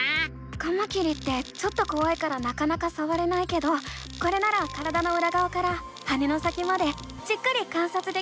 カマキリってちょっとこわいからなかなかさわれないけどこれなら体のうらがわから羽の先までじっくり観察できるね！